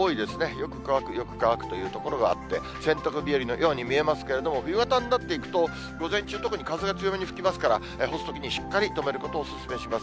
よく乾く、よく乾くという所があって、洗濯日和のように見えますけれども、夕方になっていくと、午前中、特に風が強めに吹きますから、干すときに、しっかり留めることをお勧めします。